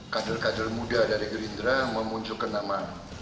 kader kader muda dari gerindra memunculkan nama